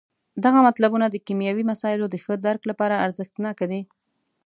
دغه مطلبونه د کیمیاوي مسایلو د ښه درک لپاره ارزښت ناکه دي.